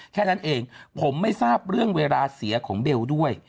แค่นั้นเองผมไม่ทราบเรื่องเวลาเสียของเบลด้วย